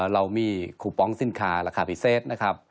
เรามีขุปป้องสินค้าราคาพิเศษ